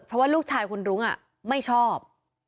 เพราะว่าลูกชายคุณรุ้งไม่ชอบ